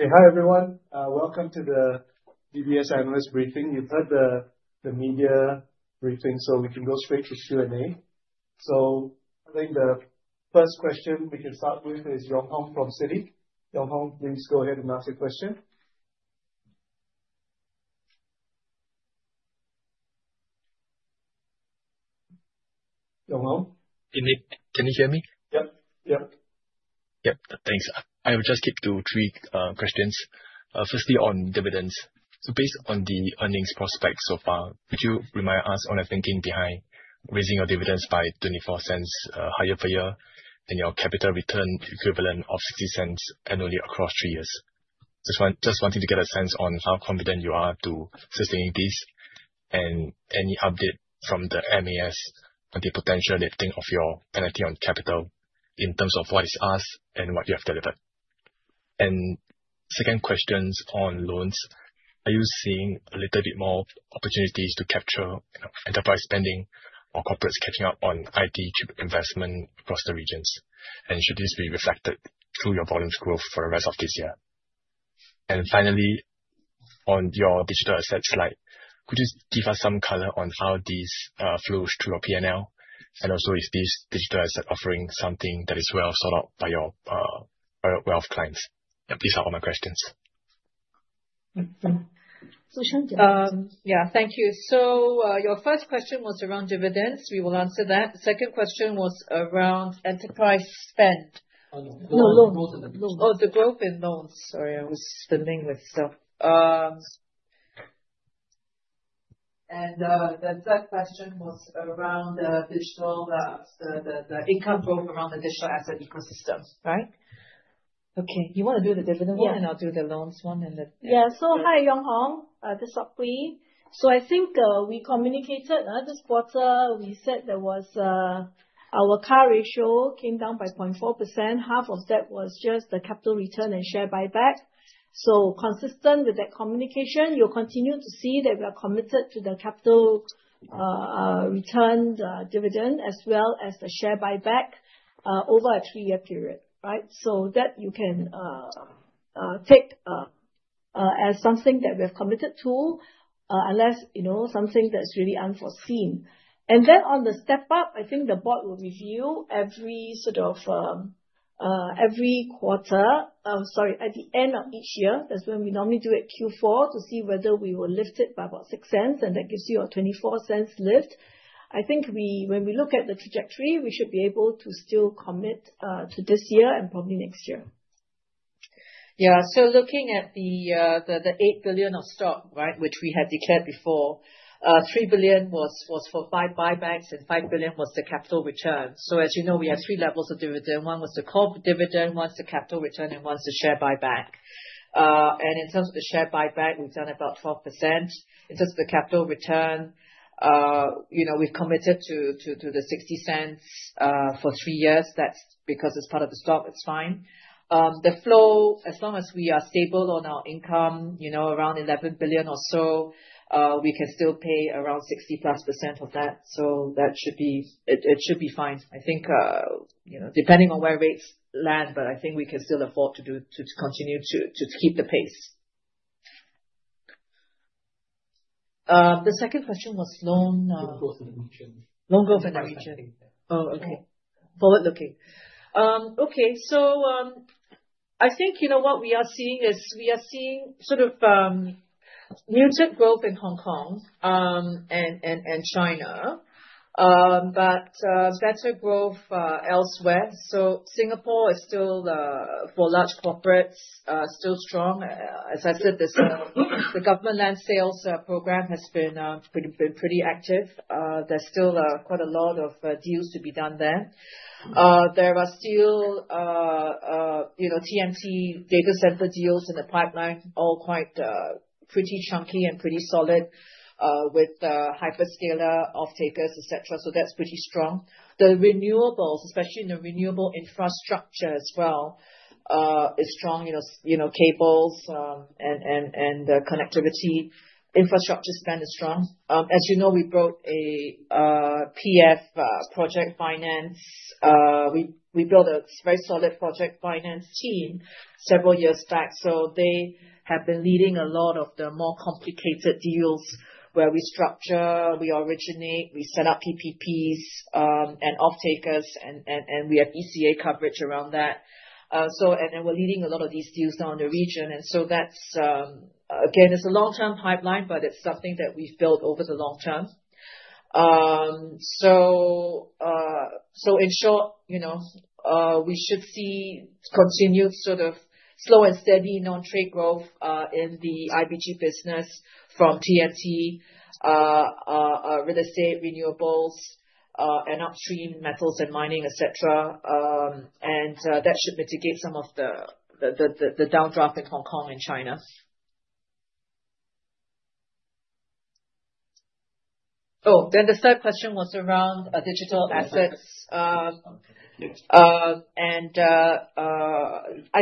Okay, hi everyone. Welcome to the DBS Analyst Briefing. You've heard the media briefing, we can go straight to Q&A. I think the first question we can start with is Yong Hong from Citi. Yong Hong, please go ahead and ask your question. Yong Hong, can you hear me? Yep, yep. Thanks. I will just skip to three questions. Firstly, on dividends. Based on the earnings prospects so far, could you remind us on the thinking behind raising your dividends by 0.24 higher per year and your capital return equivalent of 0.60 annually across three years? I just want to get a sense on how confident you are to sustain these. Any update from the Monetary Authority of Singapore on the potential lifting of your penalty on capital in terms of what is asked and what you have delivered? Second question is on loans. Are you seeing a little bit more opportunities to capture enterprise spending or corporates catching up on IT to investment across the regions? Should this be reflected through your volume growth for the rest of this year? Finally, on your digital assets slide, could you give us some color on how these flow through your P&L? Also, is this digital asset offering something that is well thought out by your wealth clients? These are all my questions. Thank you. Your first question was around dividends. We will answer that. The second question was around enterprise spend. Oh, no. Oh, the growth in loans. Sorry, I was repeating myself. The third question was around the digital assets, the income growth around the digital asset ecosystem, right? Okay. You want to do the dividend one, and I'll do the loans one and the... Yeah. Hi, Yong Hong. This is Sok Hui. I think we communicated this quarter. We said our CAR ratio came down by 0.4%. Half of that was just the capital return and share buyback. Consistent with that communication, you'll continue to see that we are committed to the capital return dividend as well as the share buyback over a three-year period, right? You can take that as something that we have committed to unless you know something that's really unforeseen. On the step up, I think the board will review every quarter, sorry, at the end of each year. That's when we normally do it, Q4, to see whether we will lift it by about 0.06. That gives you a 0.24 lift. I think when we look at the trajectory, we should be able to still commit to this year and probably next year. Yeah. Looking at the 8 billion of stock, which we had declared before, 3 billion was for share buybacks and 5 billion was the capital return. As you know, we have three levels of dividend. One was the corporate dividend, one's the capital return, and one's the share buyback. In terms of the share buyback, we've done about 4%. In terms of the capital return, you know we've committed to the 0.60 for three years. That's because it's part of the stock. It's fine. The flow, as long as we are stable on our income, you know around 11 billion or so, we can still pay around 60+% of that. That should be, it should be fine. I think, depending on where rates land, but I think we can still afford to continue to keep the pace. not foresee any significant provisioning needs at this point. Not go for the region. Not go for the region. Oh, okay. Forward-looking. Okay. I think, you know, what we are seeing is we are seeing sort of muted growth in Hong Kong and China, but better growth elsewhere. Singapore is still, for large corporates, still strong. As I said, the government land sales program has been pretty active. There's still quite a lot of deals to be done there. There are still, you know, TNC data center deals in the pipeline, all quite pretty chunky and pretty solid with hyperscaler off-takers, etc. That's pretty strong. The renewables, especially in the renewable infrastructure as well, is strong. You know, cables and connectivity infrastructure spend is strong. As you know, we brought a PF project finance. We built a very solid project finance team several years back. They have been leading a lot of the more complicated deals where we structure, we originate, we set up PPPs and off-takers, and we have ECA coverage around that. We're leading a lot of these deals down in the region. That's, again, it's a long-term pipeline, but it's something that we've built over the long term. In short, you know, we should see continued sort of slow and steady non-trade growth in the IBG business from TFT, real estate, renewables, and upstream metals and mining, etc. That should mitigate some of the down draft in Hong Kong and China. The third question was around digital assets. I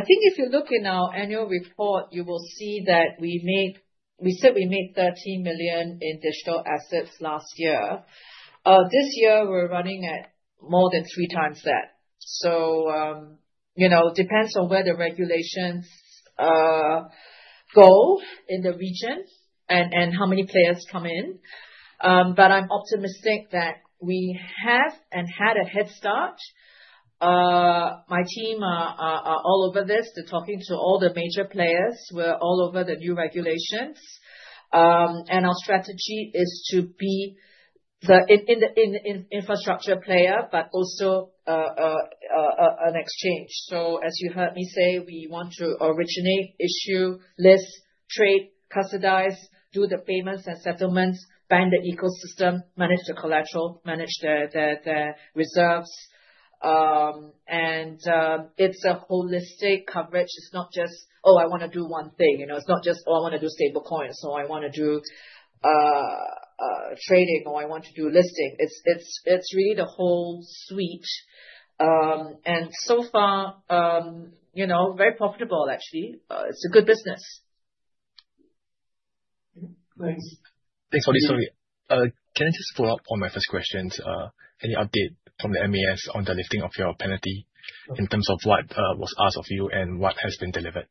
think if you look in our annual report, you will see that we made, we said we made 13 million in digital assets last year. This year, we're running at more than 3x that. You know, it depends on where the regulations go in the region and how many players come in. I'm optimistic that we have and had a head start. My team are all over this. They're talking to all the major players. We're all over the new regulations. Our strategy is to be the infrastructure player, but also an exchange. As you heard me say, we want to originate, issue, list, trade, passadize, do the payments and settlements, bind the ecosystem, manage the collateral, manage the reserves. It's a holistic coverage. It's not just, "Oh, I want to do one thing." You know, it's not just, "Oh, I want to do stable coins," or, "I want to do trading," or, "I want to do listing." It's really the whole suite. So far, you know, very profitable, actually. It's a good business. Thanks, Hui. Sorry, can I just follow up on my first question? Any update from the MAS on the lifting of your penalty in terms of what was asked of you and what has been delivered?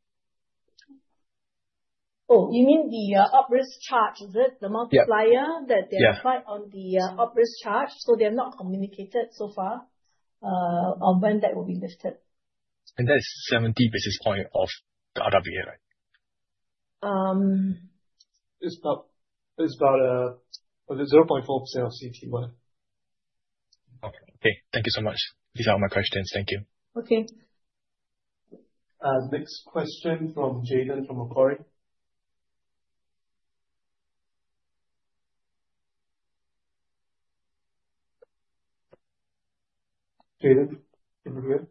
Oh, you mean the uprisk charge? The multiplier that they applied on the uprisk charge? They're not communicated so far on when that will be lifted. That's 70 basis points off the RWA, right? It's about 0.4% of CET1. Okay. Thank you so much. These are all my questions. Thank you. Okay. Next question from Jaden from McCord. Jaden, can you hear?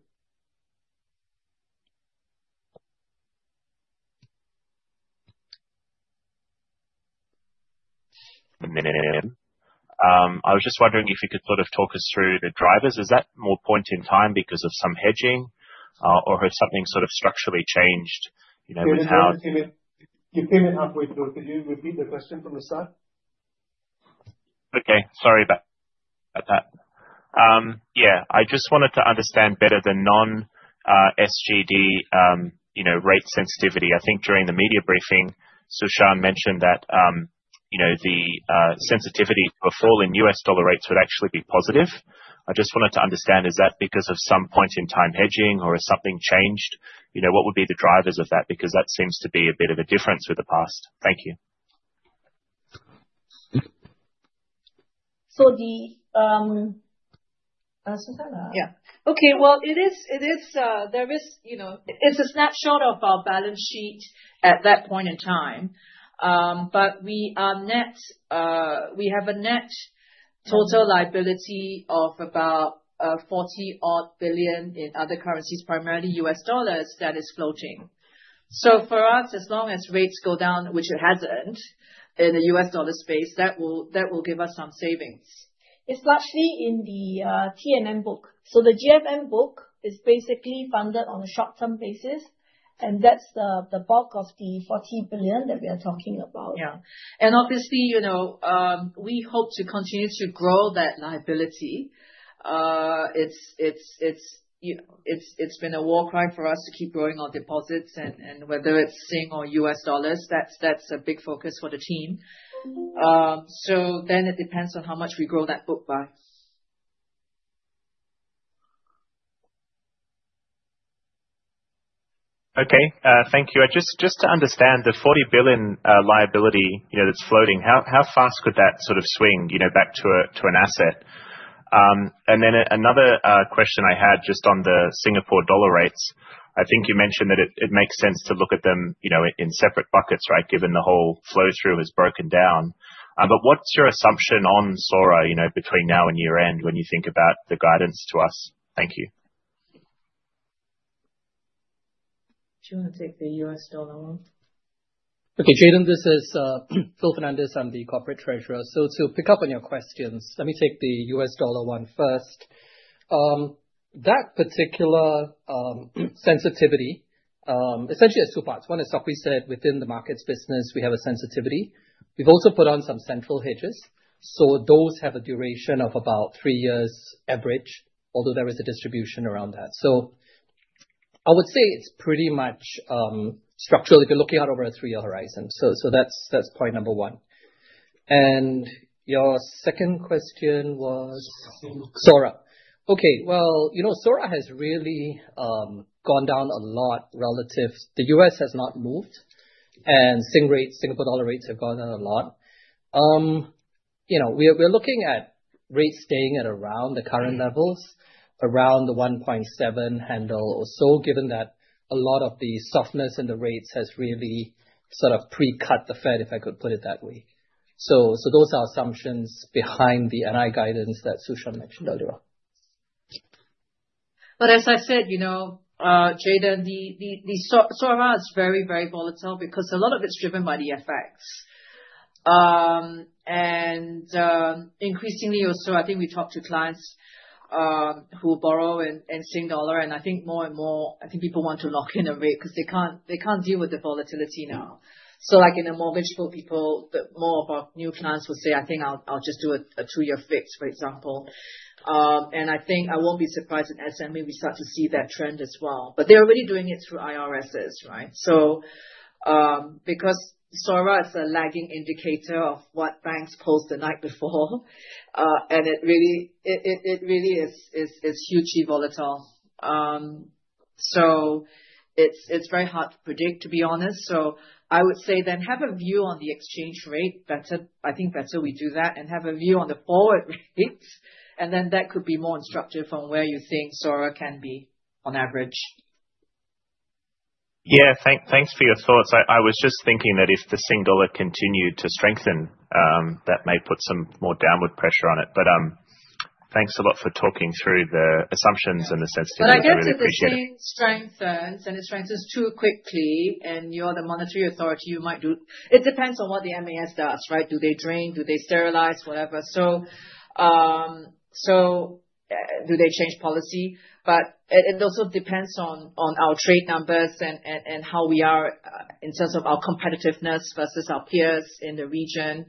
I was just wondering if you could sort of talk us through the drivers. Is that more point in time because of some hedging, or has something sort of structurally changed? Could you repeat the question from the start? Okay. Sorry about that. I just wanted to understand better the non-SGD rate sensitivity. I think during the media briefing, Su Shan mentioned that the sensitivity for falling U.S. dollar rates would actually be positive. I just wanted to understand, is that because of some point-in-time hedging, or has something changed? What would be the drivers of that? That seems to be a bit of a difference with the past. Thank you. So, Susannah? Yeah. It is, you know, it's a snapshot of our balance sheet at that point in time. We have a net total liability of about 40 billion in other currencies, primarily U.S. dollars, that is floating. For us, as long as rates go down, which it hasn't in the U.S. dollar space, that will give us some savings. It's largely in the TNM book. The GFM book is basically funded on a short-term basis, and that's the bulk of the 40 billion that we are talking about. Yeah, obviously, you know, we hope to continue to grow that liability. It's been a war cry for us to keep growing our deposits, and whether it's Sing or U.S. dollars, that's a big focus for the team. It depends on how much we grow that book by. Okay. Thank you. Just to understand the 40 billion liability that's floating, how fast could that sort of swing back to an asset? Another question I had just on the Singapore dollar rates. I think you mentioned that it makes sense to look at them in separate buckets, right, given the whole flow-through is broken down. What's your assumption on SORA between now and year-end when you think about the guidance to us? Thank you. Do you want to take the U.S. dollar one? Okay. Jaden, this is Philip Fernandez. I'm the Corporate Treasurer. To pick up on your questions, let me take the U.S. dollar one first. That particular sensitivity, essentially, it's two parts. One is, as Sok Hui said, within the markets business, we have a sensitivity. We've also put on some central hedges. Those have a duration of about three years average, although there is a distribution around that. I would say it's pretty much structural if you're looking at over a three-year horizon. That's point number one. Your second question was SORA. SORA has really gone down a lot relative to the U.S. has not moved. Singapore dollar rates have gone down a lot. We're looking at rates staying at around the current levels, around the 1.7 handle or so, given that a lot of the softness in the rates has really sort of pre-cut the Fed, if I could put it that way. Those are assumptions behind the NII guidance that Su Shan mentioned earlier. As I said, you know, Jaden, the SORA is very, very volatile because a lot of it's driven by the FX. Increasingly, also, I think we talk to clients who borrow in Singapore dollar. I think more and more people want to lock in a rate because they can't deal with the volatility now. Like in a mortgage pool, more of our new clients will say, "I think I'll just do a two-year fix," for example. I won't be surprised if SMEs start to see that trend as well. They're already doing it through IRSes, right? SORA is a lagging indicator of what banks posted the night before, and it really is hugely volatile. It's very hard to predict, to be honest. I would say then have a view on the exchange rate. I think better we do that and have a view on the forward rates. That could be more instructive on where you think SORA can be on average. Yeah, thanks for your thoughts. I was just thinking that if the Sing dollar continued to strengthen, that may put some more downward pressure on it. Thanks a lot for talking through the assumptions and the sensitivities. I guess if the chain strengthens and it strengthens to a quick P and you're the Monetary Authority, you might do it. It depends on what the MAS does, right? Do they drain? Do they sterilize? Whatever. Do they change policy? It also depends on our trade numbers and how we are in terms of our competitiveness versus our peers in the region.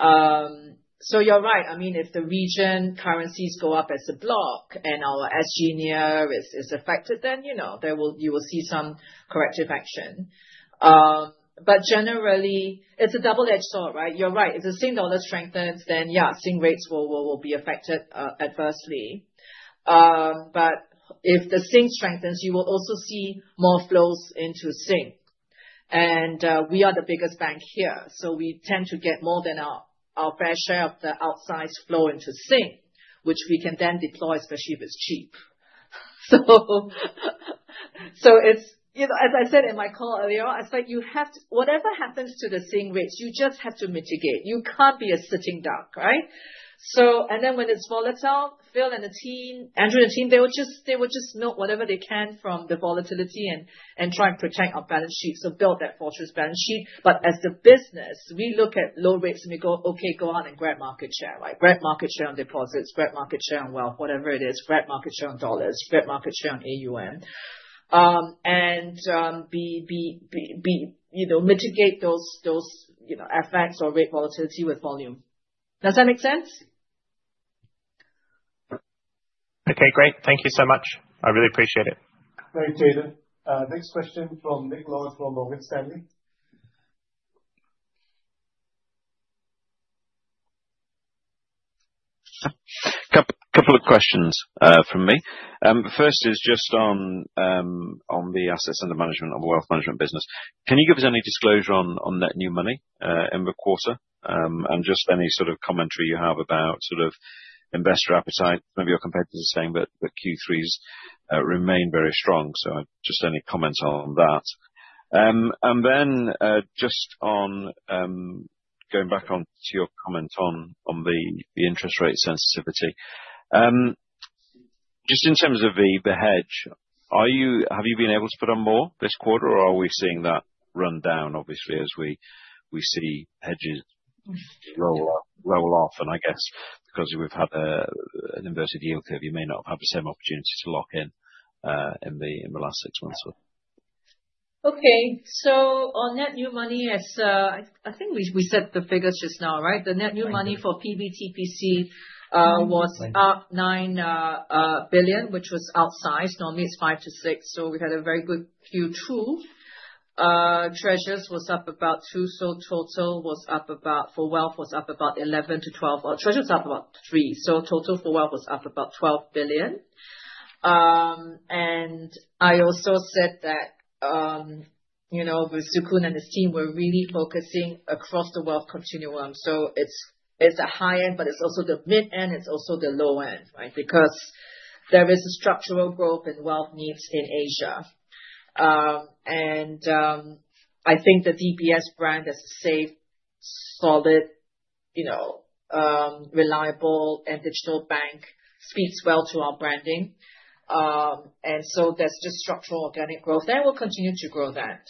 You're right. If the region currencies go up as a block and our SGD is affected, then you will see some corrective action. Generally, it's a double-edged sword, right? You're right. If the Sing dollar strengthens, then yeah, Sing rates will be affected adversely. If the Sing strengthens, you will also see more flows into Sing. We are the biggest bank here, so we tend to get more than our fair share of the outsized flow into Sing, which we can then deploy, especially if it's cheap. As I said in my call earlier, I said you have to, whatever happens to the Sing rates, you just have to mitigate. You can't be a sitting duck, right? When it's volatile, Bill and the team, Andrew and the team, they will just milk whatever they can from the volatility and try and protect our balance sheet. Build that fortress balance sheet. As the business, we look at low rates and we go, "Okay, go on and grab market share, right? Grab market share on deposits. Grab market share on wealth, whatever it is. Grab market share on dollars. Grab market share on AUM." You know, mitigate those effects or rate volatility with volume. Does that make sense? Okay. Great. Thank you so much. I really appreciate it. Thanks, Jaden. Next question from Nick Lord from Morgan Stanley. A couple of questions from me. The first is just on the assets and the management of the wealth management business. Can you give us any disclosure on net new money in the quarter, and just any sort of commentary you have about sort of investor appetite? Your competitors are saying that Q3s remain very strong. Just any comments on that. Just going back to your comment on the interest rate sensitivity, in terms of the hedge, have you been able to put on more this quarter, or are we seeing that run down, obviously, as we see hedges roll off? I guess because we've had an inverted yield curve, you may not have had the same opportunity to lock in in the last six months or so. Okay. On net new money, I think we set the figures just now, right? The net new money for PBTPC was about 9 billion, which was outsized. Normally, it's 5 billion-6 billion. We had a very good Q2. Treasures was up about 2 billion. Total was up about, for wealth, about 11 billion-12 billion. Treasures up about 3 billion. Total for wealth was up about 12 billion. I also said that, you know, with Shee Tse Koon and his team, we're really focusing across the wealth continuum. It's a high end, but it's also the mid end. It's also the low end, right? There is a structural growth in wealth needs in Asia. I think the DBS brand is safe, solid, reliable, and digital bank speaks well to our branding. There is this structural organic growth. They will continue to grow that.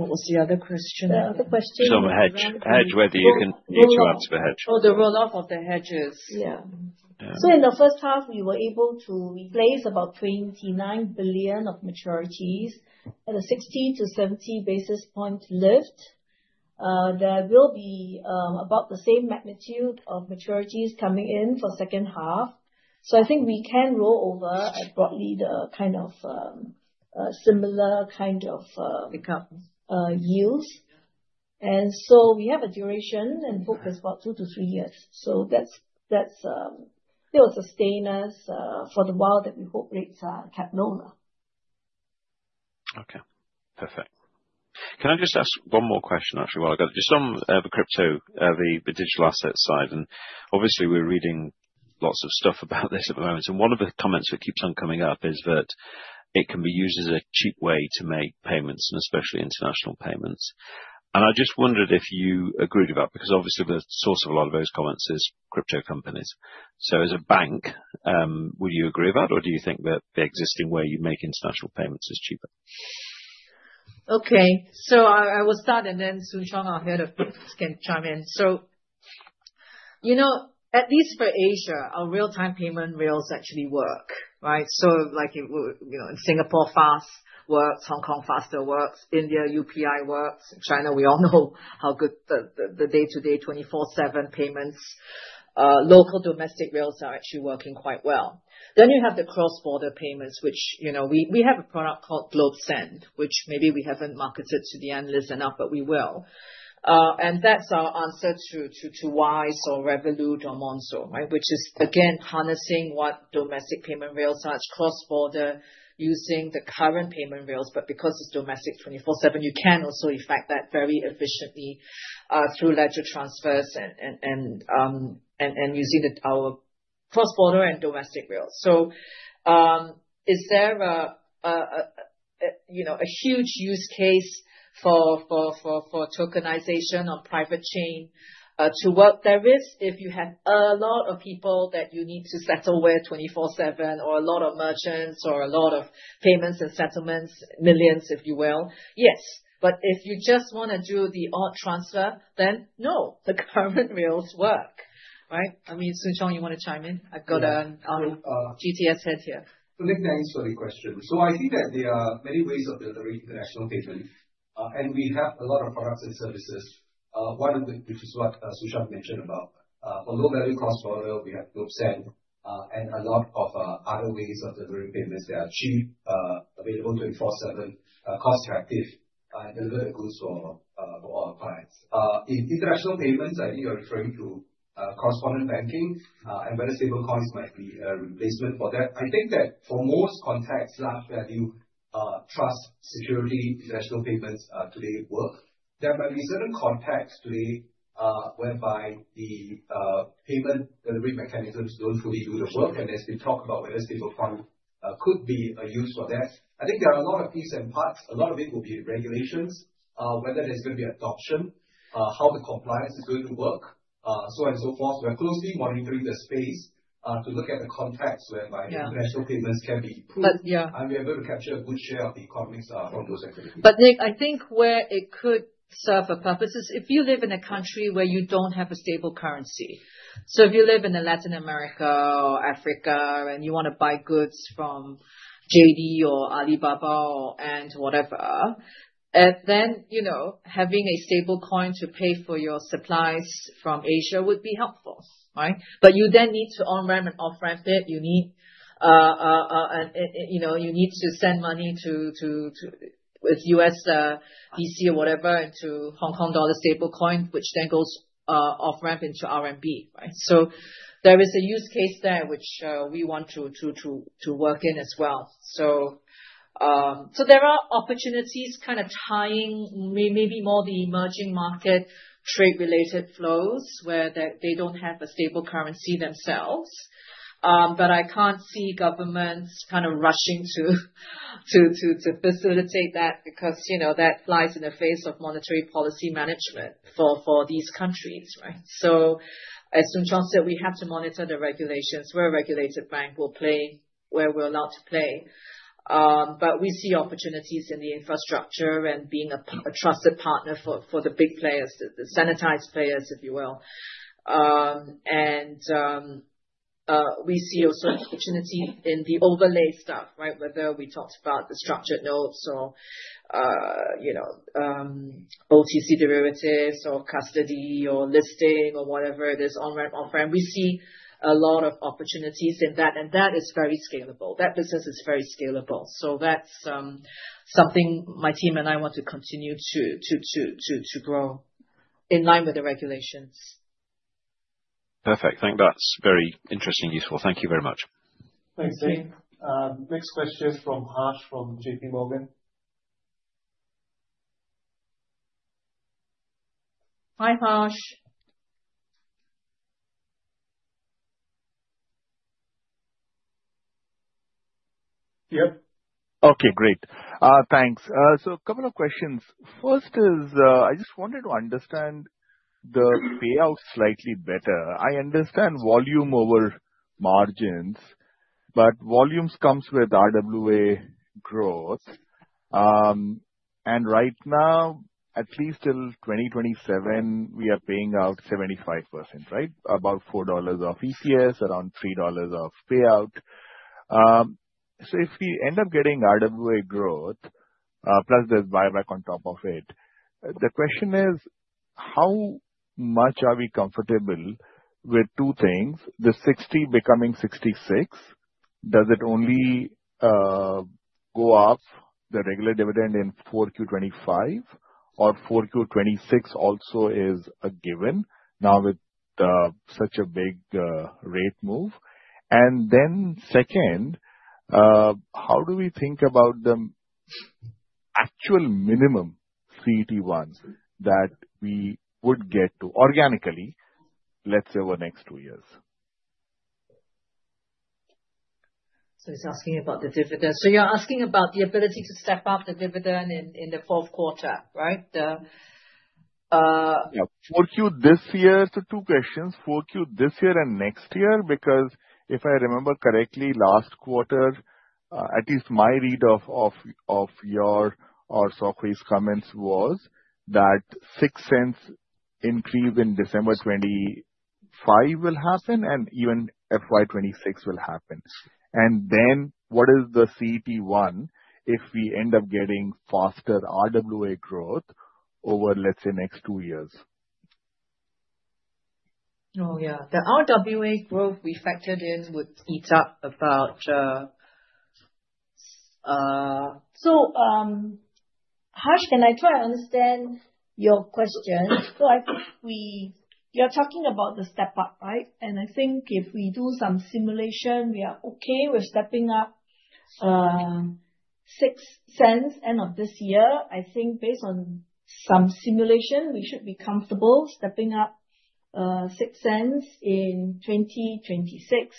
What was the other question? The other question was. It's on the hedge, whether you continue to ask for hedge. Oh, the roll-off of the hedges. Yeah. In the first half, we were able to replace about 29 billion of maturities at a 60-70 basis point lift. There will be about the same magnitude of maturities coming in for the second half. I think we can roll over broadly the similar kind of yields. We have a duration and hope is about two to three years. That'll sustain us for the while that we hope rates are kept lower. Okay. Perfect. Can I just ask one more question, actually, while I got it? Just on the crypto, the digital asset side. Obviously, we're reading lots of stuff about this at the moment. One of the comments that keeps on coming up is that it can be used as a cheap way to make payments, especially international payments. I just wondered if you agreed with that because obviously, the source of a lot of those comments is crypto companies. As a bank, would you agree with that, or do you think that the existing way you make international payments is cheaper? Okay. I will start, and then Tse Koon or Head of Crypto can chime in. At least for Asia, our real-time payment rails actually work, right? In Singapore, FAST works. Hong Kong, Faster Payment System works. India, UPI works. China, we all know how good the day-to-day 24/7 payments, local domestic rails are actually working quite well. You have the cross-border payments, which, you know, we have a product called GlobeSend, which maybe we haven't marketed to the analysts enough, but we will. That's our answer to Wise or Revolut or Monzo, right? Which is, again, harnessing what domestic payment rails are cross-border using the current payment rails. Because it's domestic 24/7, you can also effect that very efficiently, through ledger transfers and using our cross-border and domestic rails. Is there a huge use case for tokenization on private chain to work? There is if you have a lot of people that you need to settle with 24/7 or a lot of merchants or a lot of payments and settlements, millions, if you will. Yes. If you just want to do the odd transfer, then no, the government rails work, right? I mean, Su Shan, you want to chime in? I've got a GTS Head here. Nick, thanks for the question. I think that there are many ways of building international payments. We have a lot of products and services. One of the things is what Su Shan mentioned about for low-value cross-border, we have GlobeSend and a lot of other ways of delivering payments. They are cheap, available 24/7, cost-effective, and deliver goods for all our clients. In international payments, I think you're referring to cross-border banking and very stable coins might be a replacement for that. I think that for most contexts that you trust securely, international payments today work. There might be certain contexts today whereby the payment delivery mechanisms, those who do the work, and there's been talk about whether stable coin could be a use for that. I think there are a lot of pieces and parts. A lot of it will be regulations, whether there's going to be adoption, how the compliance is going to work, so on and so forth. We're closely monitoring the space to look at the context where international payments can be improved. I'm able to capture a good share of the economics on those activities. Nick, I think where it could serve a purpose is if you live in a country where you don't have a stable currency. If you live in Latin America or Africa and you want to buy goods from JD or Alibaba and whatever, then having a stablecoin to pay for your supplies from Asia would be helpful, right? You then need to on-ramp and off-ramp it. You need to send money with USDC or whatever into Hong Kong dollar stablecoin, which then goes off-ramp into RMB, right? There is a use case there which we want to work in as well. There are opportunities kind of tying maybe more the emerging market trade-related flows where they don't have a stable currency themselves. I can't see governments rushing to facilitate that because you know that flies in the face of monetary policy management for these countries, right? As Tan Su Shan said, we have to monitor the regulations. We're a regulated bank. We'll play where we're allowed to play. We see opportunities in the infrastructure and being a trusted partner for the big players, the sanitized players, if you will. We see also opportunity in the overlay stuff, right? Whether we talked about the structured notes or derivatives or custody or listing or whatever it is, on-ramp, off-ramp. We see a lot of opportunities in that. That is very scalable. That business is very scalable. That's something my team and I want to continue to grow in line with the regulations. Perfect. I think that's very interesting and useful. Thank you very much. Thanks, Nick. Next question is from Harsh from JP Morgan. Hi, Harsh. Yep. Okay, great. Thanks. A couple of questions. First is I just wanted to understand the payout slightly better. I understand volume over margins, but volumes come with RWA growth. Right now, at least till 2027, we are paying out 75%, right? About 4 dollars of ECS, around 3 dollars of payout. If we end up getting RWA growth, plus there's buyback on top of it, the question is, how much are we comfortable with two things? The 60 becoming 66, does it only go off the regular dividend in 4Q25 or 4Q26 also is a given now with such a big rate move? Second, how do we think about the actual minimum CET1s that we would get to organically, let's say, over the next two years? You're asking about the ability to step up the dividend in the fourth quarter, right? Yeah. 4Q this year. Two questions. 4Q this year and next year because if I remember correctly, last quarter, at least my read of your or Sok Hui's comments was that 0.06 increase in December 2025 will happen and even FY 2026 will happen. What is the CET1 if we end up getting faster RWA growth over, let's say, next two years? Oh, yeah. The RWA growth we factored in would eat up about... Can I try to understand your question? I think we are talking about the step-up, right? I think if we do some simulation, we are okay with stepping up 0.06 end of this year. I think based on some simulation, we should be comfortable stepping up 0.06 in 2026.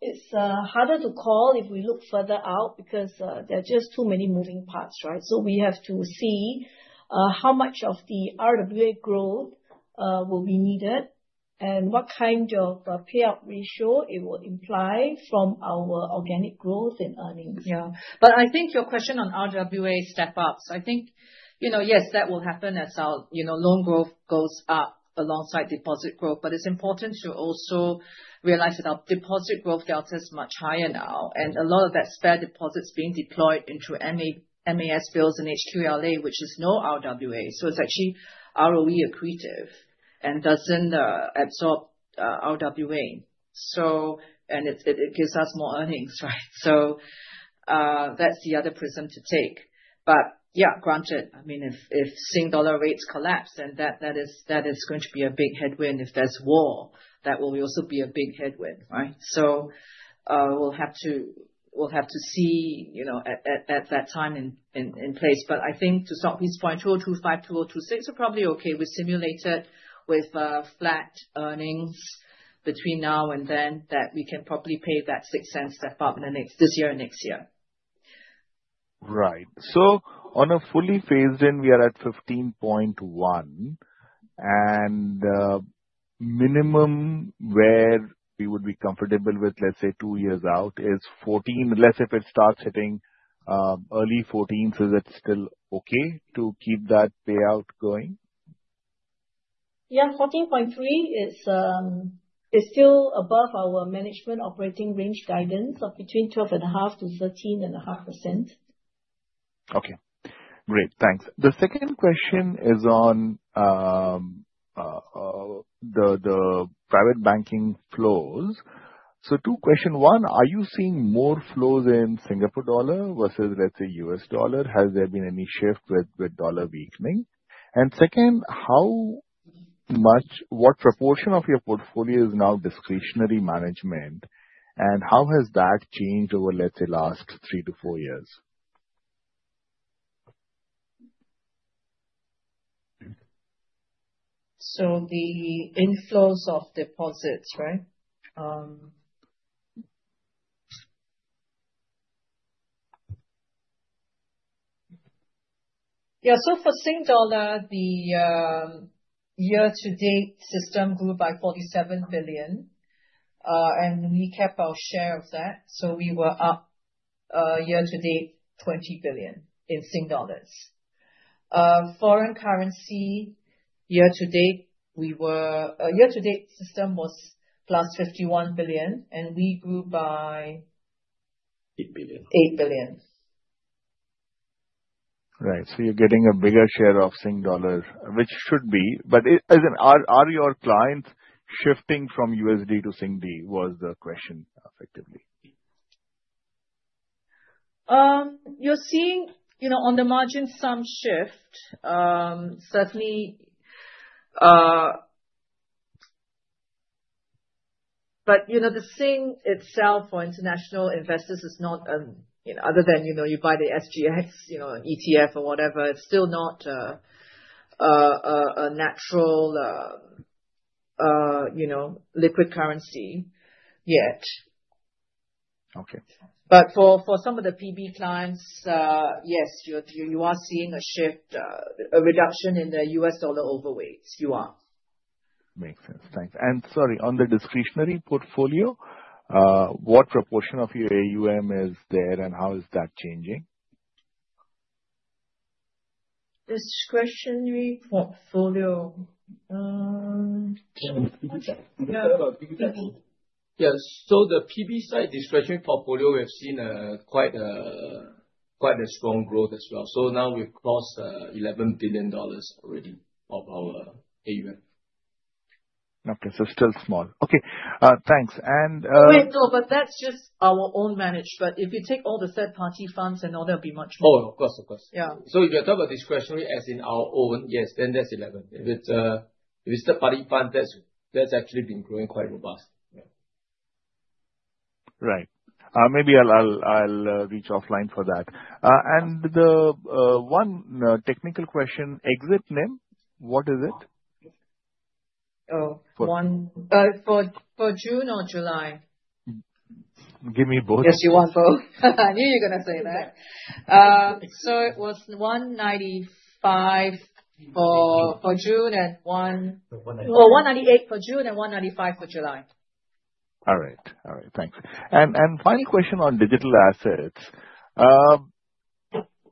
It's harder to call if we look further out because there are just too many moving parts, right? We have to see how much of the RWA growth will be needed and what kind of payout ratio it will imply from our organic growth in earnings. I think your question on RWA step-ups, yes, that will happen as our loan growth goes up alongside deposit growth. It's important to also realize that our deposit growth delta is much higher now. A lot of that spare deposit is being deployed into MAS bills and HQLA, which is no RWA. It's actually ROE accretive and doesn't absorb RWA, and it gives us more earnings, right? That's the other prism to take. Granted, if Sing dollar rates collapse, that is going to be a big headwind. If there's war, that will also be a big headwind, right? We'll have to see at that time in place. I think to Sok Hui's point, 425-426 are probably okay. We simulated with flat earnings between now and then that we can probably pay that 0.06 step up in the next year and next year. Right. On a fully phased in, we are at 15.1. The minimum where we would be comfortable with, let's say, two years out is 14. Unless it starts hitting early 14, that's still okay to keep that payout going? Yeah. 14.3% is still above our management operating range guidance of between 12.5%-13.5%. Okay. Great. Thanks. The second question is on the private banking flows. Two questions. One, are you seeing more flows in Singapore dollar versus, let's say, U.S. dollar? Has there been any shift with dollar weakening? Second, how much, what proportion of your portfolio is now discretionary management? How has that changed over, let's say, the last three to four years? The inflows of deposits, right? Yeah. For Singapore dollar, the year-to-date system grew by 47 billion, and we kept our share of that. We were up year-to-date 20 billion in Singapore dollars. For foreign currency, year-to-date, the system was +51 billion, and we grew by. 8 billion. 8 billion. Right. You're getting a bigger share of Sing dollars, which should be. Is it, are your clients shifting from USD to Sing dollars was the question effectively. You're seeing, on the margins, some shift, certainly. The Sing itself for international investors is not, other than you buy the SGX, an ETF or whatever. It's still not a natural, liquid currency yet. For some of the PB clients, yes, you are seeing a shift, a reduction in the U.S. dollar overweighs. You are. Makes sense. Thanks. Sorry, on the discretionary portfolio, what proportion of your AUM is there, and how is that changing? Discretionary portfolio. Yeah. The PB side discretionary portfolio, we have seen quite a strong growth as well. Now we've crossed 11 billion dollars already of our AUM. Okay, still small. Thanks. No, that's just our own managed. If you take all the third-party funds, I know there'll be much more. Of course, of course. Yeah. If you're talking about discretionary as in our own, yes, then that's 11. If it's a third-party fund, that's actually been growing quite robust. Right. Maybe I'll reach offline for that. The one technical question, exit limit, what is it? For June or July? Give me both. I guess you want both. I knew you were going to say that. It was 195 million for June and 1 million. So 198. 198 for June and 195 for July. All right. Thanks. Final question on digital assets.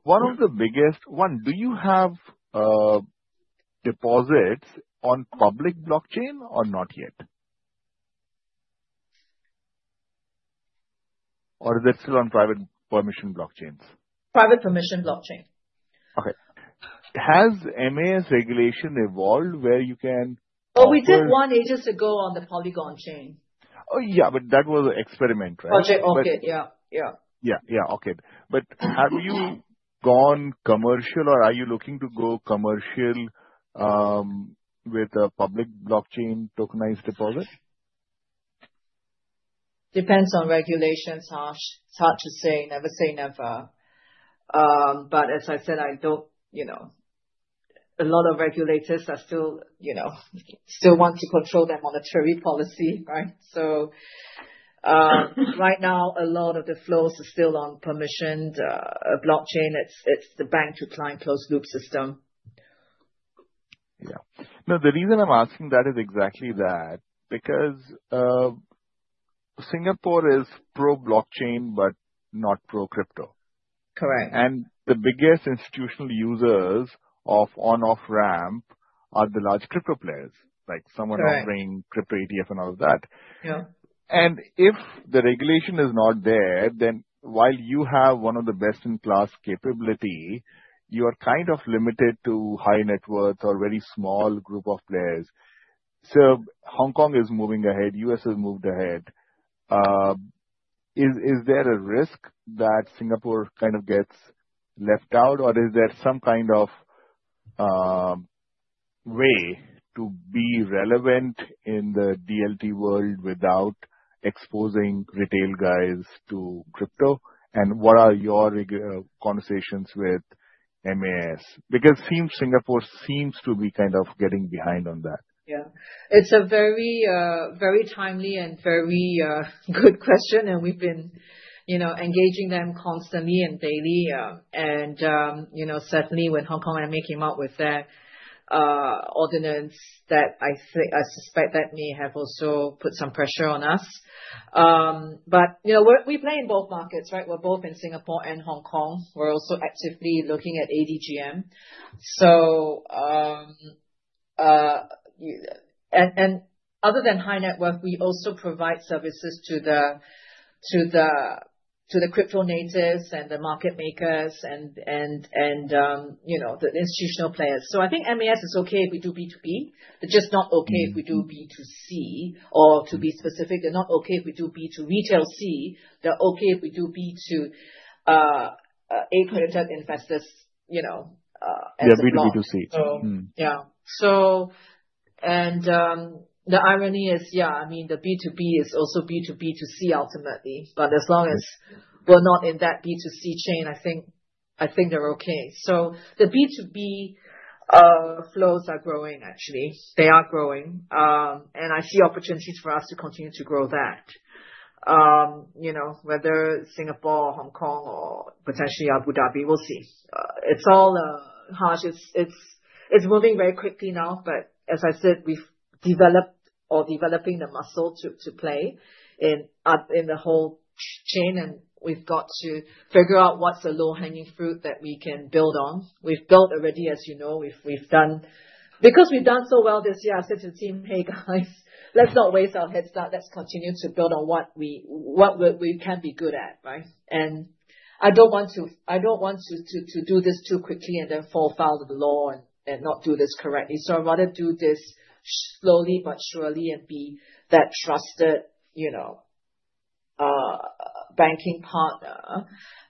One of the biggest, do you have deposits on public blockchain or not yet? Or is it still on private permission blockchains? Private permission blockchain. Okay. Has MAS regulation evolved where you can? Oh, we did one ages ago on the Polygon chain. Yeah, that was an experiment, right? Project OKID. Yeah. Yeah. OK. Have you gone commercial or are you looking to go commercial with a public blockchain tokenized deposit? Depends on regulations. It's hard to say. Never say never. As I said, I don't, you know, a lot of regulators still want to control their monetary policy, right? Right now, a lot of the flows are still on permissioned blockchain. It's the bank-to-client closed-loop system. Yeah, no, the reason I'm asking that is exactly that because Singapore is pro-blockchain but not pro-crypto. Correct. The biggest institutional users of on-off ramp are the large crypto players, like someone offering crypto ETF and all of that. If the regulation is not there, then while you have one of the best-in-class capability, you are kind of limited to high net worth or a very small group of players. Hong Kong is moving ahead. The U.S. has moved ahead. Is there a risk that Singapore kind of gets left out, or is there some kind of way to be relevant in the DLT world without exposing retail guys to crypto? What are your conversations with MAS? Singapore seems to be kind of getting behind on that. Yeah. It's a very, very timely and very good question. We've been engaging them constantly and daily. Certainly, when Hong Kong MA came up with their ordinance, I suspect that may have also put some pressure on us. We play in both markets, right? We're both in Singapore and Hong Kong. We're also actively looking at ADGM. Other than high net worth, we also provide services to the crypto natives and the market makers and the institutional players. I think MAS is okay if we do B2B. They're just not okay if we do B2C. To be specific, they're not okay if we do B2 retail C. They're okay if we do B2A credentialed investors, you know, as well. Yeah, B2B to C too. Yeah. The irony is, the B2B is also B2B to C ultimately. As long as we're not in that B2C chain, I think they're okay. The B2B flows are growing, actually. They are growing, and I see opportunities for us to continue to grow that. Whether Singapore or Hong Kong or potentially Abu Dhabi, we'll see. It's all, Harsh, it's moving very quickly now. As I said, we've developed or are developing the muscle to play in the whole chain. We've got to figure out what's the low-hanging fruit that we can build on. We've built already, as you know, we've done because we've done so well this year. I said to the team, "Hey, guys, let's not waste our head start. Let's continue to build on what we can be good at," right? I don't want to do this too quickly and then fall foul of the law and not do this correctly. I'd rather do this slowly but surely and be that trusted, you know, banking partner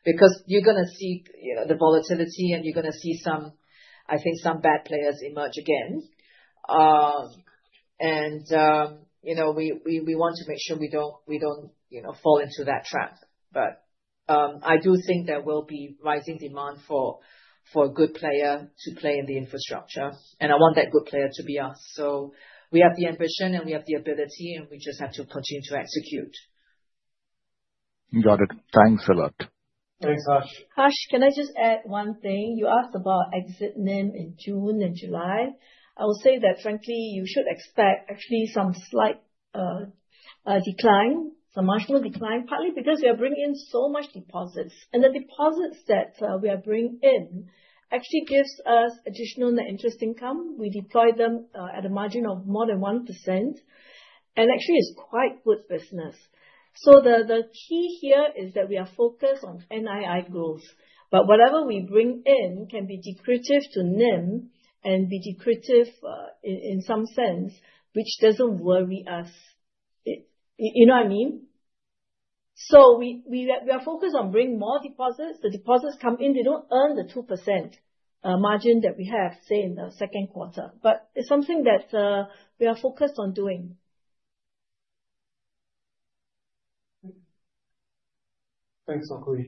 because you're going to see the volatility and you're going to see some, I think, some bad players emerge again. We want to make sure we don't fall into that trap. I do think there will be rising demand for a good player to play in the infrastructure. I want that good player to be us. We have the ambition and we have the ability and we just have to continue to execute. Got it. Thanks a lot. Thanks, Harsh. Harsh, can I just add one thing? You asked about exit NIM in June and July. I will say that, frankly, you should expect actually some slight decline, some marginal decline, partly because we are bringing in so much deposits. The deposits that we are bringing in actually give us additional net interest income. We deploy them at a margin of more than 1%. It's quite good business. The key here is that we are focused on NII growth. Whatever we bring in can be dilutive to NIM and be dilutive in some sense, which doesn't worry us. You know what I mean? We are focused on bringing more deposits. The deposits come in. They don't earn the 2% margin that we have, say, in the second quarter. It's something that we are focused on doing. Thanks, Sok Hui.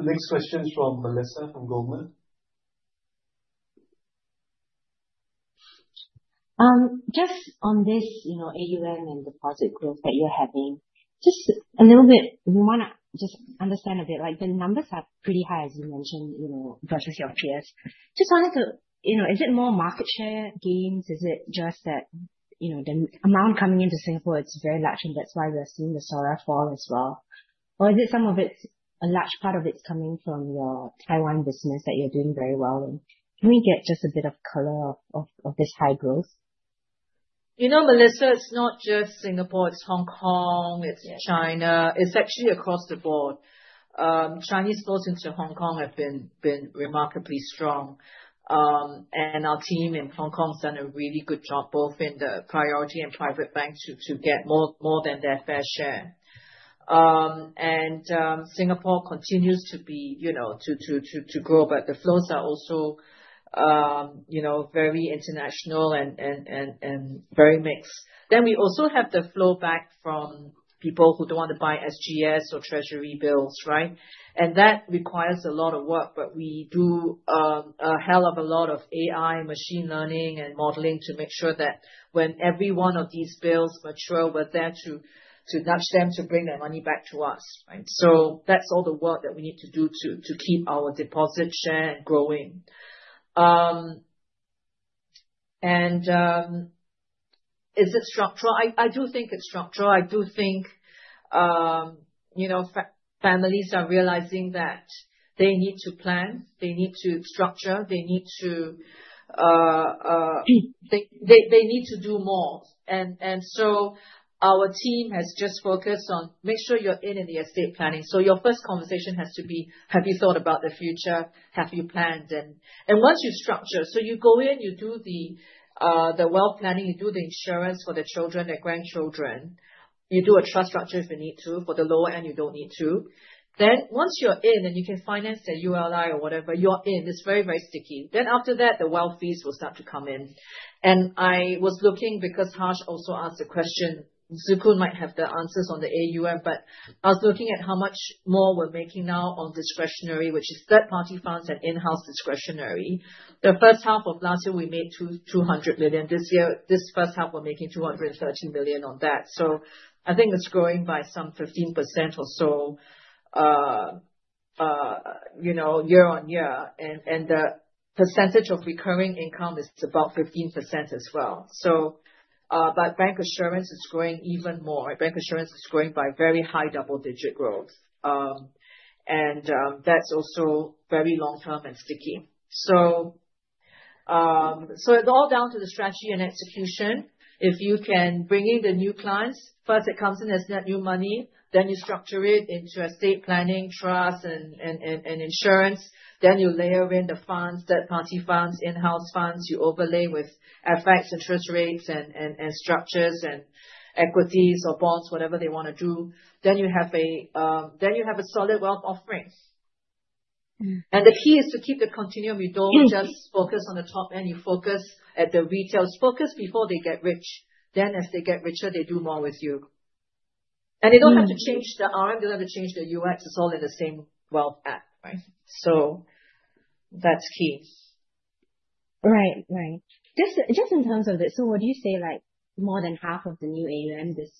Next question from Melissa from Goldman. Just on this AUM and deposit growth that you're having, we want to just understand a bit, right? The numbers are pretty high, as you mentioned, versus your peers. Is it more market share gains? Is it just that the amount coming into Singapore is very large and that's why we're seeing the SORA fall as well? Is a large part of it coming from your Taiwan business that you're doing very well? Can we get just a bit of color of this high growth? You know, Melissa, it's not just Singapore. It's Hong Kong. It's China. It's actually across the board. Chinese flows into Hong Kong have been remarkably strong. Our team in Hong Kong has done a really good job, both in the priority and private banks, to get more than their fair share. Singapore continues to grow. The flows are also very international and very mixed. We also have the flow back from people who don't want to buy SGS or Treasury bills, right? That requires a lot of work. We do a hell of a lot of AI, machine learning, and modeling to make sure that when every one of these bills mature, we're there to nudge them to bring their money back to us, right? That's all the work that we need to do to keep our deposit share growing. Is it structural? I do think it's structural. I do think families are realizing that they need to plan. They need to structure. They need to do more. Our team has just focused on making sure you're in the estate planning. Your first conversation has to be, "Have you thought about the future? Have you planned?" Once you structure, you go in, you do the wealth planning, you do the insurance for the children, the grandchildren. You do a trust structure if you need to. For the lower end, you don't need to. Once you're in and you can finance the ULI or whatever, you're in, it's very, very sticky. After that, the wealth fees will start to come in. I was looking because Harsh also asked a question. Tse Koon might have the answers on the AUM, but I was looking at how much more we're making now on discretionary, which is third-party funds and in-house discretionary. The first half of last year, we made 200 million. This year, this first half, we're making 230 million on that. I think it's growing by some 15% or so year on year. The percentage of recurring income is about 15% as well. Bank assurance is growing even more. Bank assurance is growing by very high double-digit growth. That's also very long-term and sticky. It's all down to the strategy and execution. If you can bring in the new clients, first, it comes in as net new money. You structure it into estate planning, trust, and insurance. You layer in the funds, third-party funds, in-house funds. You overlay with FX interest rates and structures and equities or bonds, whatever they want to do. You have a solid wealth offering. The key is to keep the continuum. You don't just focus on the top end. You focus at the retailers, focus before they get rich. As they get richer, they do more with you, and they don't have to change the RM. They don't have to change the UX. It's all in the same wealth path, right? That's key. Right. Just in terms of this, would you say more than half of the new AUM this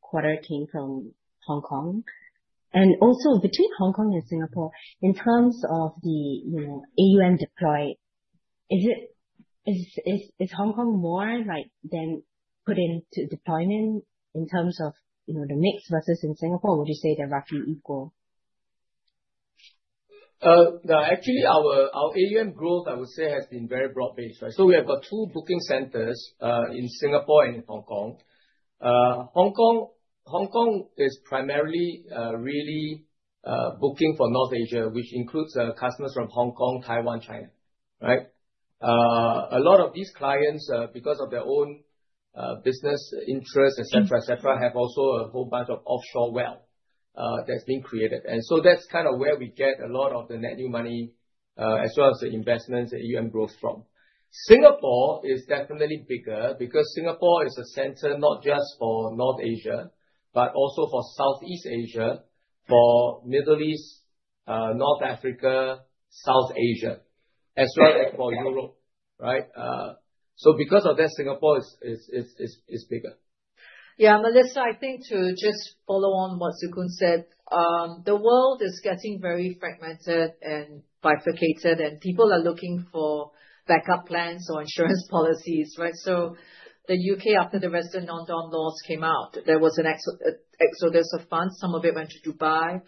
quarter came from Hong Kong? Also, between Hong Kong and Singapore, in terms of the AUM deployed, is Hong Kong more likely to be put into deployment in terms of the mix versus in Singapore? Would you say they're roughly equal? No, actually, our AUM growth, I would say, has been very broad-based, right? We have got two booking centers in Singapore and in Hong Kong. Hong Kong is primarily really booking for North Asia, which includes customers from Hong Kong, Taiwan, China, right? A lot of these clients, because of their own business interests, etc., have also a whole bunch of offshore wealth that's been created. That is kind of where we get a lot of the net new money as well as the investments that AUM grows from. Singapore is definitely bigger because Singapore is a center not just for North Asia, but also for Southeast Asia, for Middle East, North Africa, South Asia, as well as for Europe, right? Because of that, Singapore is bigger. Yeah. Melissa, I think to just follow on what Tse Koon said, the world is getting very fragmented and bifurcated, and people are looking for backup plans or insurance policies, right? The U.K., after the Western non-dom laws came out, there was an exodus of funds. Some of it went to Dubai,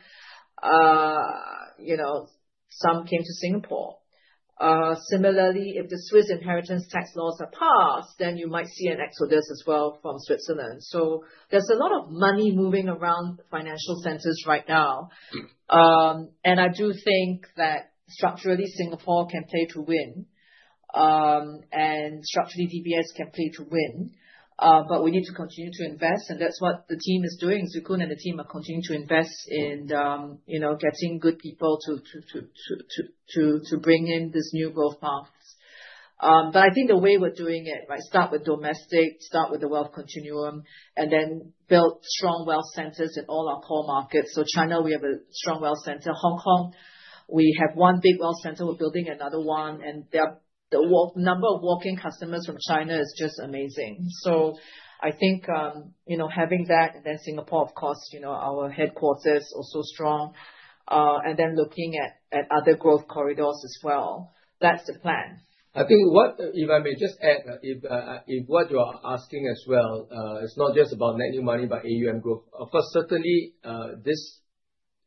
some came to Singapore. Similarly, if the Swiss inheritance tax laws are passed, you might see an exodus as well from Switzerland. There's a lot of money moving around financial centers right now. I do think that structurally, Singapore can play to win, and structurally, DBS can play to win. We need to continue to invest, and that's what the team is doing. Tse Koon and the team are continuing to invest in getting good people to bring in this new growth market. I think the way we're doing it, start with domestic, start with the wealth continuum, and then build strong wealth centers in all our core markets. China, we have a strong wealth center. Hong Kong, we have one big wealth center, we're building another one. The number of walking customers from China is just amazing. I think having that and then Singapore, of course, our headquarters are also strong, and then looking at other growth corridors as well. That's the plan. I think, if I may just add, if what you are asking as well, it's not just about net new money, but AUM growth. Of course, certainly,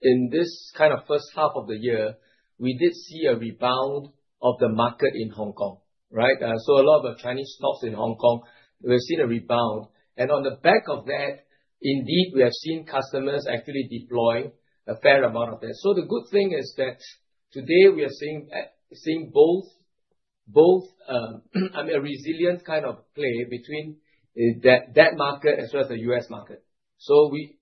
in this kind of first half of the year, we did see a rebound of the market in Hong Kong, right? A lot of Chinese stocks in Hong Kong, we've seen a rebound. On the back of that, indeed, we have seen customers actually deploying a fair amount of this. The good thing is that today we are seeing both, I mean, a resilient kind of play between that market as well as the U.S. market.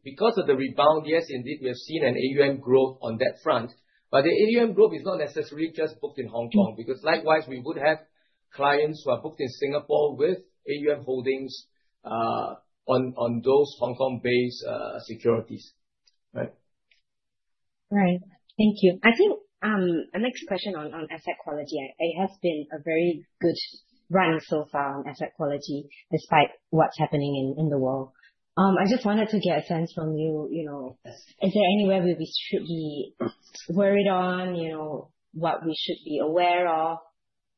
Because of the rebound, yes, indeed, we have seen an AUM growth on that front. The AUM growth is not necessarily just booked in Hong Kong because likewise, we would have clients who are booked in Singapore with AUM holdings on those Hong Kong-based securities, right? Right. Thank you. I think a next question on asset quality. It has been a very good run so far on asset quality despite what's happening in the world. I just wanted to get a sense from you, you know, is there anywhere we should be worried on, you know, what we should be aware of?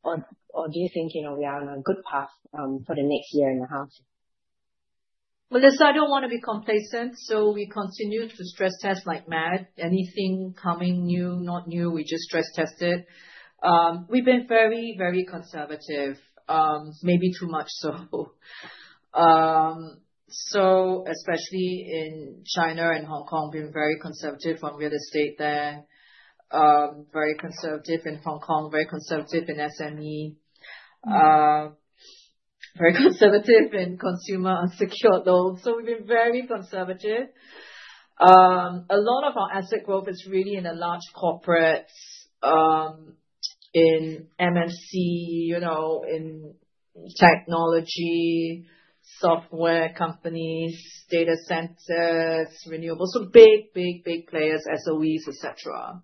Or do you think, you know, we are on a good path for the next year and a half? Melissa, I don't want to be complacent. We continue to stress test like mad. Anything coming new, not new, we just stress test it. We've been very, very conservative, maybe too much so. Especially in China and Hong Kong, we've been very conservative on real estate there, very conservative in Hong Kong, very conservative in SME, very conservative in consumer and secure loans. We've been very conservative. A lot of our asset growth is really in the large corporates, in MMC, in technology, software companies, data centers, renewables. Big, big, big players, SOEs, etc.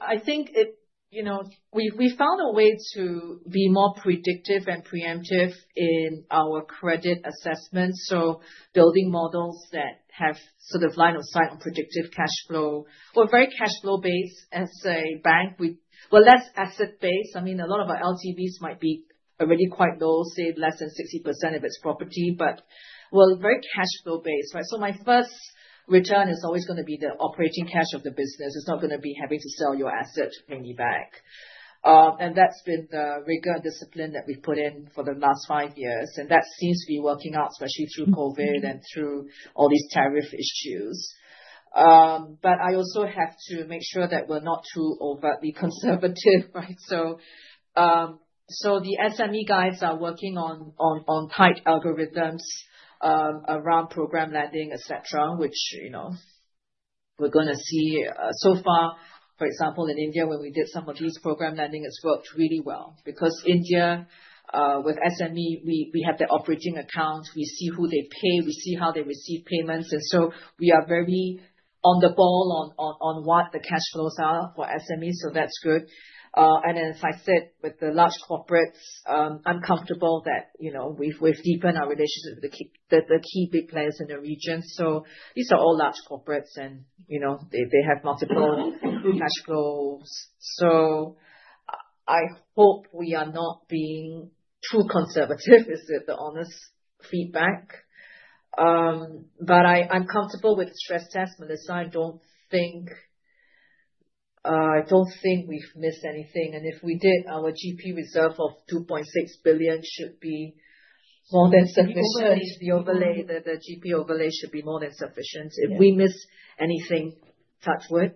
I think it, you know, we found a way to be more predictive and preemptive in our credit assessments. Building models that have sort of line of sight on predictive cash flow. We're very cash flow-based as a bank. We're less asset-based. A lot of our LTVs might be already quite low, say less than 60% if it's property. We're very cash flow-based, right? My first return is always going to be the operating cash of the business. It's not going to be having to sell your asset to pay me back. That's been the rigor and discipline that we put in for the last five years. That seems to be working out, especially through COVID and through all these tariff issues. I also have to make sure that we're not too overtly conservative, right? The SME guys are working on tight algorithms around program lending, etc., which we're going to see. For example, in India, when we did some of these program lending, it's worked really well because India, with SME, we have their operating accounts. We see who they pay. We see how they receive payments. We are very on the ball on what the cash flows are for SMEs. That's good. As I said, with the large corporates, I'm comfortable that we've deepened our relationships with the key big players in the region. These are all large corporates, and they have multiple group cash flows. I hope we are not being too conservative. Is it the honest feedback? I'm comfortable with stress tests, Melissa. I don't think we've missed anything. If we did, our GP reserve of 2.6 billion should be more than sufficient. The GP overlay should be more than sufficient. If we miss anything, touch wood.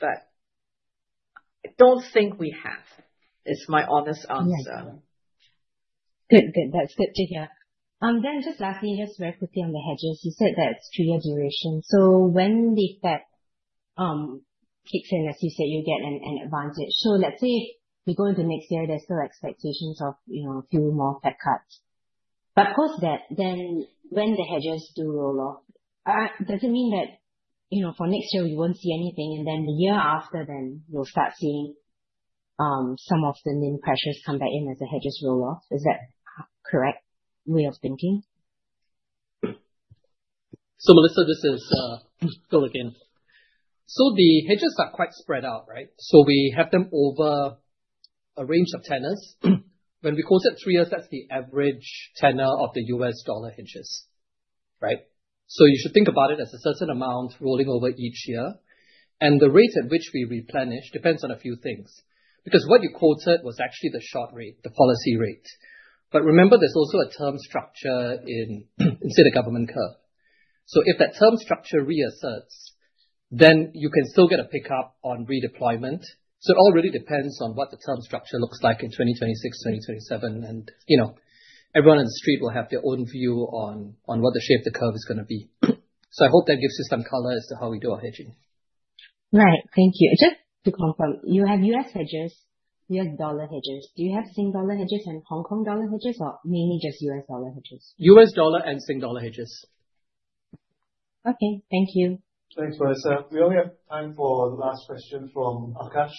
I don't think we have. It's my honest answer. Yeah, that's good to hear. Just lastly, very quickly on the hedges. You said that it's two-year duration. When the Fed kicks in, as you said, you get an advantage. Let's say if we go into next year, there's still expectations of a few more Fed cuts. Post-BEP, when the hedges do roll off, does it mean that for next year, we won't see anything? The year after, you'll start seeing some of the NIM pressures come back in as the hedges roll off. Is that a correct way of thinking? Melissa, this is Phil again. The hedges are quite spread out, right? We have them over a range of tenors. When we quoted three years, that's the average tenor of the U.S. dollar hedges, right? You should think about it as a certain amount rolling over each year. The rate at which we replenish depends on a few things. What you quoted was actually the short rate, the policy rate. Remember, there's also a term structure in the government curve. If that term structure reasserts, then you can still get a pickup on redeployment. It all really depends on what the term structure looks like in 2026, 2027. Everyone on the street will have their own view on what the shape of the curve is going to be. I hope that gives you some color as to how we do our hedging. Right. Thank you. Just to confirm, you have U.S. dollar hedges. Do you have Singapore dollar hedges and Hong Kong dollar hedges, or mainly just U.S. dollar hedges? U.S. dollar and Sing dollar hedges. Okay, thank you. Thanks, Melissa. We only have time for the last question from Akash.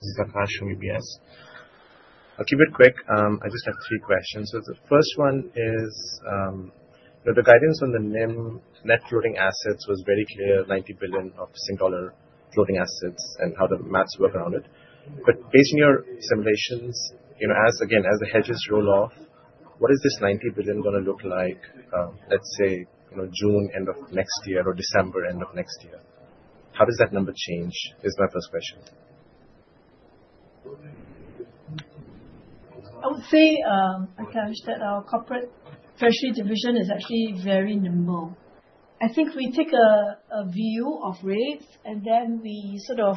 This is Akash from DBS. I'll keep it quick. I just have three questions. The first one is, the guidance on the NIM net floating assets was very clear, 90 billion of Singapore dollar floating assets and how the maths work around it. Based on your simulations, as the hedges roll off, what is this 90 billion going to look like, let's say, June end of next year, or December end of next year? How does that number change? Is that the first question? I would say our Corporate Treasury division is actually very nimble. I think we take a view of rates and then we are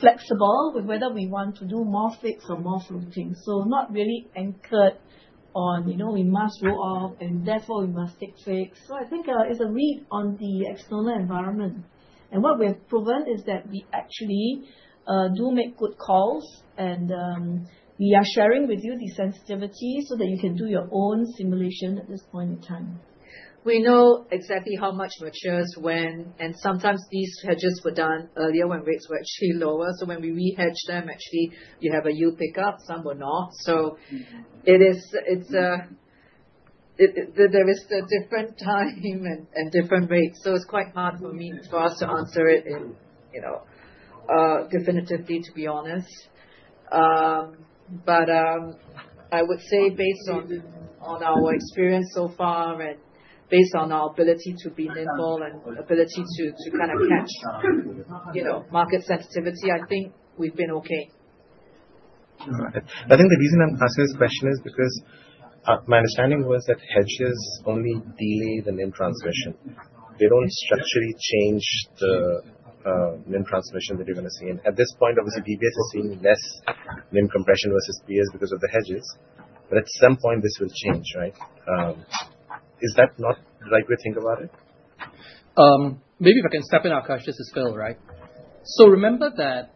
flexible with whether we want to do more fixed or more floating. Not really anchored on, you know, we must roll off and therefore we must take fixed. I think it's a read on the external environment. What we've proven is that we actually do make good calls and we are sharing with you the sensitivity so that you can do your own simulation at this point in time. We know exactly how much matures when, and sometimes these hedges were done earlier when rates were actually lower. When we rehedge them, actually, you have a yield pickup, some were not. It is a different time and different rate. It's quite hard for us to answer it definitively, to be honest. I would say based on our experience so far and based on our ability to be nimble and ability to kind of catch, you know, market sensitivity, I think we've been okay. Right. I think the reason I'm asking this question is because my understanding was that hedges only delay the NIM transmission. They don't structurally change the NIM transmission that you're going to see. At this point, obviously, DBS is seeing less NIM compression versus peers because of the hedges. At some point, this will change, right? Is that not the right way to think about it? Maybe if I can step in, Akash, this is Phil, right? Remember that,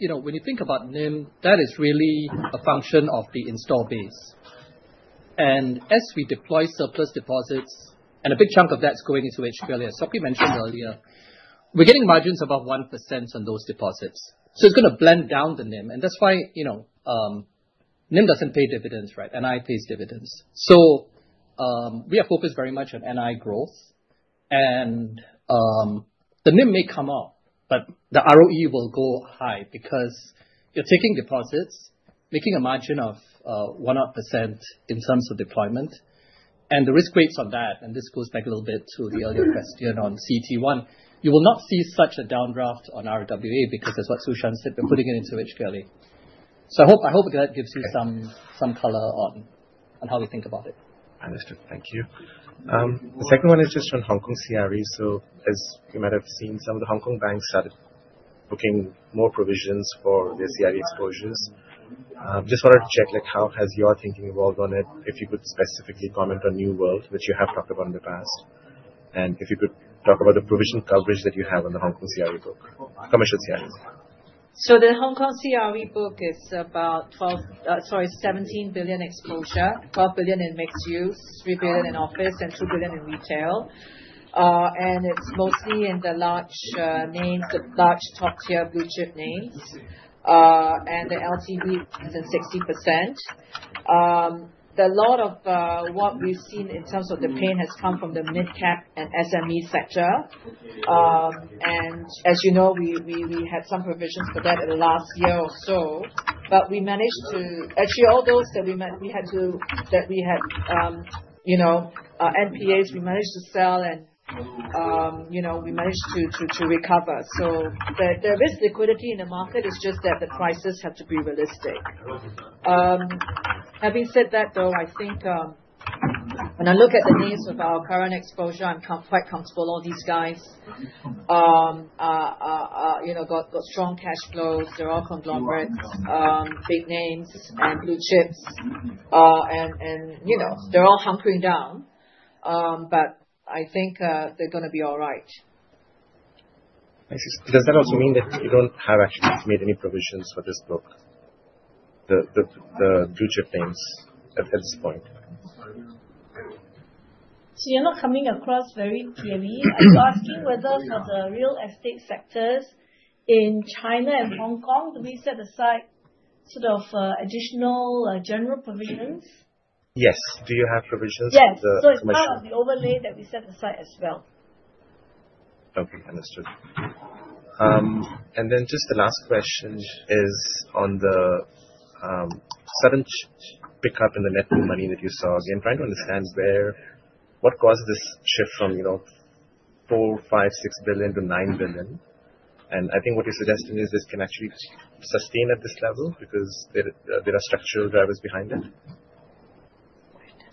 you know, when you think about NIM, that is really a function of the install base. As we deploy surplus deposits, and a big chunk of that's going into HQLA, as Sok Hui mentioned earlier, we're getting margins above 1% on those deposits. It's going to blend down the NIM. That's why, you know, NIM doesn't pay dividends, right? NI pays dividends. We are focused very much on NI growth. The NIM may come up, but the ROE will go high because you're taking deposits, making a margin of 1% odd in terms of deployment. The risk rates on that, and this goes back a little bit to the earlier question on CET1, you will not see such a downdraft on RWA because that's what Su Shan said. We're putting it into HQLA. I hope that gives you some color on how we think about it. Understood. Thank you. The second one is just on Hong Kong CRE. As you might have seen, some of the Hong Kong banks started booking more provisions for their CRE exposures. I just wanted to check how has your thinking evolved on it? If you could specifically comment on New World, which you have talked about in the past, and if you could talk about the provision coverage that you have on the Hong Kong CRE book, commercial CREs. The Hong Kong CRE book is about 17 billion exposure, 12 billion in mixed use, 3 billion in office, and 2 billion in retail. It is mostly in the large names, the large top-tier blue chip names. The LTV is in 60%. A lot of what we've seen in terms of the pain has come from the mid-cap and SME sector. As you know, we had some provisions for that in the last year or so. We managed to, actually, all those that we had, our MPAs, we managed to sell and we managed to recover. There is liquidity in the market. It's just that the prices have to be realistic. Having said that, I think when I look at the names of our current exposure, I'm quite comfortable. All these guys have strong cash flows. They're all conglomerates, big names, and blue chips. They're all hunkering down. I think they're going to be all right. I see. Does that also mean that you don't actually have made any provisions for this book, the blue chip names at this point? You're not coming across very clearly. I've seen whether the real estate sectors in China and Hong Kong, do we set aside sort of additional general provisions? Yes, do you have provisions? Yes, it's part of the overlay that we set aside as well. Okay. Understood. Just the last question is on the sudden pickup in the net new money that you saw. I'm trying to understand what caused this shift from, you know, 4 billion, 5 billion, 6 billion-9 billion. I think what you're suggesting is this can actually sustain at this level because there are structural drivers behind it.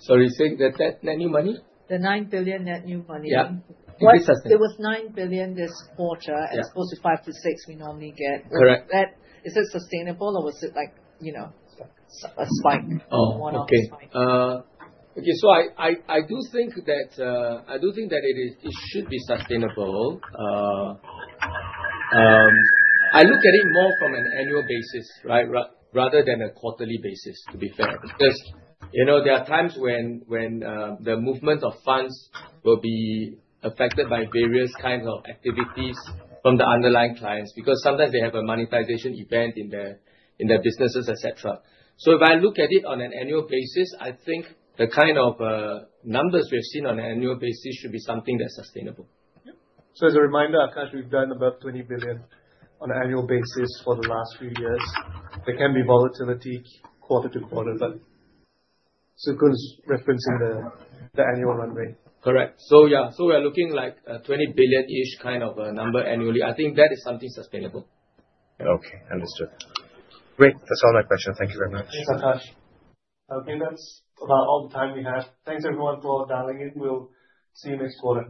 Sorry, you're saying that net new money? The 9 billion net new money. Yeah. It was 9 billion this quarter as opposed to 5 billion-6 billion we normally get. Correct. Is it sustainable, or was it, like, you know, a spike? Okay. I do think that it should be sustainable. I look at it more from an annual basis, rather than a quarterly basis, to be fair. There are times when the movement of funds will be affected by various kinds of activities from the underlying clients because sometimes they have a monetization event in their businesses, etc. If I look at it on an annual basis, I think the kind of numbers we've seen on an annual basis should be something that's sustainable. As a reminder, Akash, we've done above 20 billion on an annual basis for the last few years. There can be volatility quarter to quarter, but Tse Koon's referencing the annual runway. Correct. Yeah, we're looking like a 20 billion-ish kind of a number annually. I think that is something sustainable. Yeah, okay, understood. Great, that's all the questions. Thank you very much. Thanks, Akash. Okay. That's about all the time we have. Thanks, everyone, for dialing in. We'll see you next quarter.